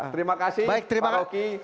terima kasih pak roki